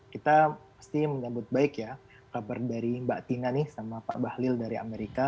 kita pasti menyambut baik ya kabar dari mbak tina nih sama pak bahlil dari amerika